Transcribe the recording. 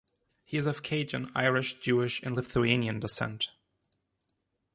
He is of Cajun, Irish, Jewish, and Lithuanian descent.